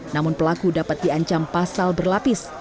namun pelaku dapat diancam pasal berlapis